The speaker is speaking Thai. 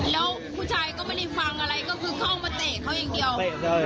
แล้วผู้ชายก็ไม่ได้ฟังอะไรก็คือเข้ามาเตะเขาอย่างเดียว